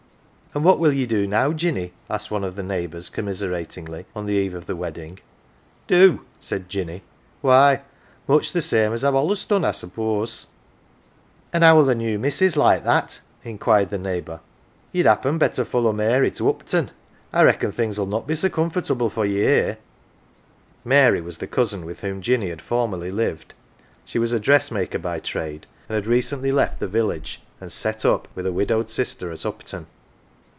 "An" what will ye do now, Jinny?"" asked one of the neighbours commiseratingly on the eve of the wedding. " Do ?" said Jinny. " Why much same as IVe allus done, I s'pose." " An' how'll the new missus like that ?" inquired the neighbour. "Ye'd happen better follow Mary to Upton. I reckon things ""II not be so comfortable for ye here."" Mary was the cousin with whom Jinny had formerly lived. She was a dressmaker by trade, and had recently left the village and " set up " with a widowed sister at Upton.